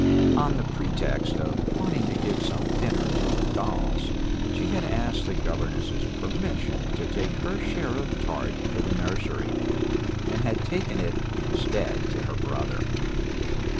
On the pretext of wanting to give some dinner to her dolls, she had asked the governess's permission to take her share of tart to the nursery, and had taken it instead to her brother.